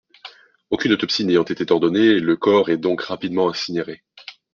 Aucune autopsie n'ayant été ordonnée, le corps est donc rapidement incinéré.